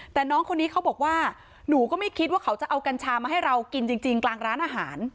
แต่น้องคนนี้เขาบอกว่าหนูก็ไม่คิดว่าเขาจะเอากัญชามาให้เรากินจริงกลางร้านอาหาร